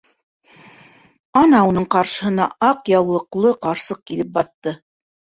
Ана уның ҡаршыһына аҡ яулыҡлы ҡарсыҡ килеп баҫты.